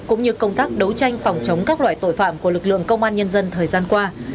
cũng như công tác đấu tranh phòng chống các loại tội phạm của lực lượng công an nhân dân thời gian qua